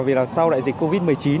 vì sau đại dịch covid một mươi chín